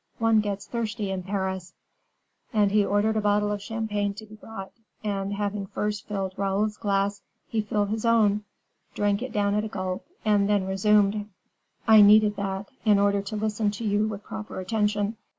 One gets thirsty in Paris;" and he ordered a bottle of champagne to be brought; and, having first filled Raoul's glass, he filled his own, drank it down at a gulp, and then resumed: "I needed that, in order to listen to you with proper attention.